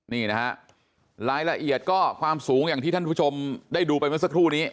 นี่นะฮะรายละเอียดก็ความสูงอย่างที่ท่านผู้ชมได้ดูไปเมื่อสักครู่นี้